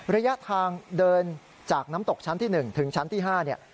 ระยะทางเดินจากน้ำตกชั้นที่๑ถึงชั้นที่๕เนี่ย